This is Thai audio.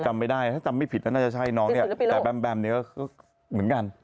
จำไม่ได้ถ้าจำไม่ผิดก็น่าจะใช่น้องเนี่ยแต่แบมแบมเนี่ยก็เหมือนกัน